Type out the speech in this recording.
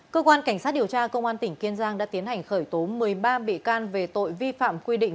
cơ quan cảnh sát điều tra công an tỉnh kiên giang đã tiến hành khởi tố một mươi ba bị can về tội vi phạm quy định